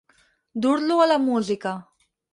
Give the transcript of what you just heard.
Dur-lo a la música.